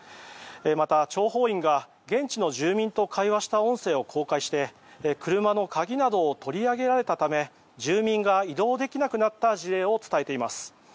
また諜報員が現地の住民と会話した音声を公開して車の鍵などを取り上げられたため住民が移動できなくなった事例を伝えています。